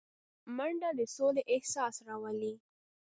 منډه د سولې احساس راولي